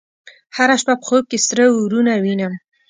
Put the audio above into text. هره شپه په خوب کې سره اورونه وینم